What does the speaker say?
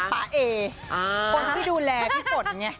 ภาเอคนที่ดูแลพี่ป่นเนี่ย